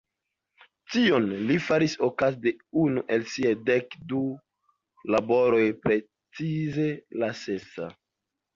Tion li faris okaze de unu el siaj dek du laboroj, precize la sesa.